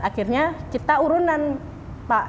akhirnya kita urunan pak